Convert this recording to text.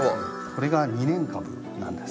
これが２年株なんです。